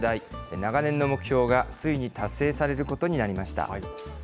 長年の目標がついに達成されることになりました。